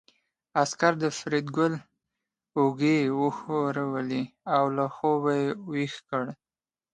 عسکر د فریدګل اوږې وښورولې او له خوبه یې ويښ کړ